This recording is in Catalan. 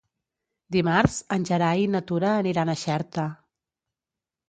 Dimarts en Gerai i na Tura aniran a Xerta.